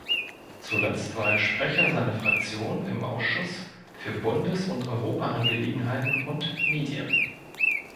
Zuletzt war er Sprecher seiner Fraktion im Ausschuss für Bundes- und Europaangelegenheiten und Medien.